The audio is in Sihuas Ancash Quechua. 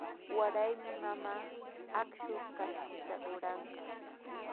Waraymi mamaa akshu kashkita ruranqa.